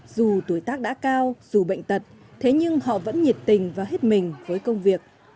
dù tuổi tác đã cao dù bệnh tật thế nhưng họ vẫn nhiệt tình và hết mình với công việc